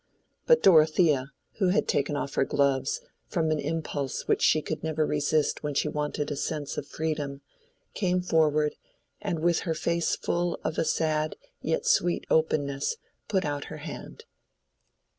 But Dorothea, who had taken off her gloves, from an impulse which she could never resist when she wanted a sense of freedom, came forward, and with her face full of a sad yet sweet openness, put out her hand.